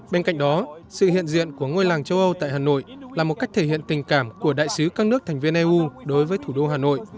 bên cạnh đó sự hiện diện của ngôi làng châu âu tại hà nội là một cách thể hiện tình cảm của đại sứ các nước thành viên eu đối với thủ đô hà nội